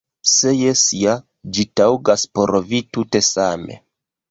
Se jes ja, ĝi taŭgas por vi tute same.